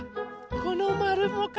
このまるもか。